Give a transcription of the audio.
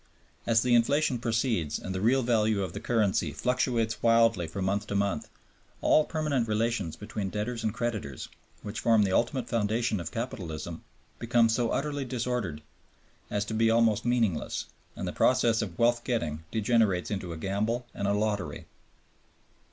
As the inflation proceeds and the real value of the currency fluctuates wildly from month to month, all permanent relations between debtors and creditors, which form the ultimate foundation of capitalism, become so utterly disordered as to be almost meaningless; and the process of wealth getting degenerates into a gamble and a lottery.